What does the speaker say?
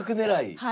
はい。